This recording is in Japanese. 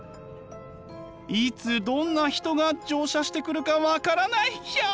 いつどんな人が乗車してくるか分からない！ヒャ！